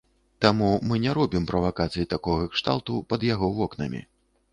Таму мы не робім правакацый такога кшталту пад яго вокнамі.